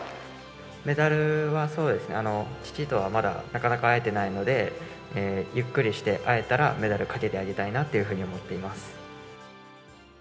メダルはそうですね、父とはまだなかなか会えてないので、ゆっくりして会えたら、メダルかけてあげたいなっていうふうに思っています。